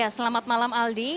selamat malam aldi